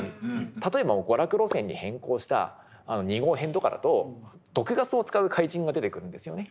例えば娯楽路線に変更した２号編とかだと毒ガスを使う怪人が出てくるんですよね。